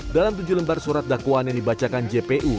dalam tujuh lembar surat dakwaan yang dibacakan jpu